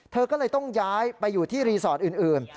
เธอก็เลยต้องย้ายไปอยู่ที่รีสอร์ทอื่น